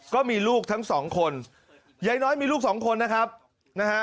ก็มีลูกทั้งสองคนยายน้อยมีลูกสองคนนะครับนะฮะ